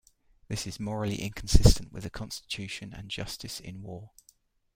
This is morally inconsistent with the Constitution and justice in war.